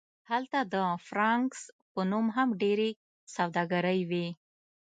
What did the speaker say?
هلته د فرانکس په نوم هم ډیرې سوداګرۍ وې